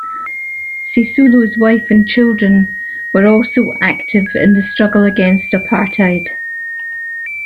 Sisulu's wife and children were also active in the struggle against apartheid.